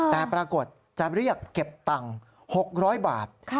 แต่ปรากฏจะเรียกเก็บตังค์๖๐๐บาท